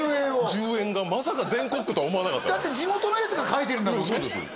十円がまさか全国区とは思わなかっただって地元のやつが描いてるんだもんね